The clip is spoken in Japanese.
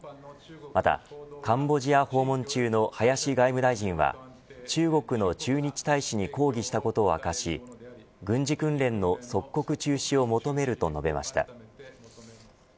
また、カンボジアを訪問中の林外務大臣は中国の駐日大使に抗議したことを明かし軍事訓練の即刻中止を求めると述べました。